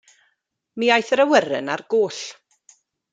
Mi aeth yr awyren ar goll.